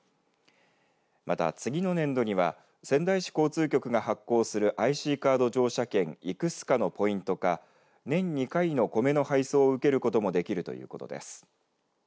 また、次の年度には仙台市交通局が発行するＩＣカード乗車券ｉｃｓｃａのポイントか年２回の米の配送を受けることもできるということです。